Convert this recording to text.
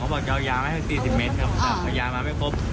เขาบอกจะเอายามาให้๔๐เมตรครับแต่เอายามาไม่พบ